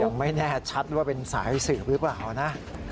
ยังไม่แน่ชัดว่าเป็นสายสืบหรือเปล่านะ